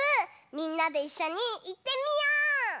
みんなでいっしょにいってみよう！